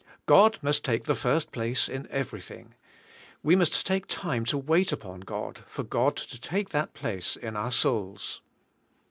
God must take the first place in everything; we must take time to wait upon God for God to take that place in our souls.